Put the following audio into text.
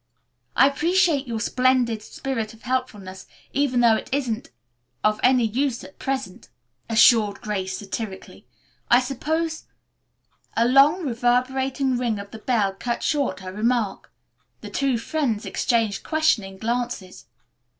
"I appreciate your splendid spirit of helpfulness even though it isn't of any use at present," assured Grace satirically. "I suppose " A long reverberating ring of the bell cut short her remark. The two friends exchanged questioning glances.